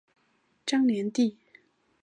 张联第。